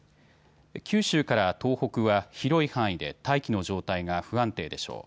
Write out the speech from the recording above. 九州から東北は広い範囲で大気の状態が不安定でしょう。